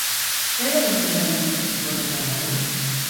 Zer elementu erabili dituzu horretarako?